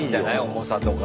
重さとか。